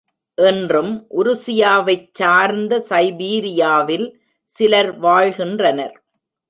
இன்றும், உருசியாவைச் சார்ந்த சைபீரியாவில், சிலர் வாழ்கின்றனர்.